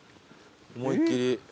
思いっ切り。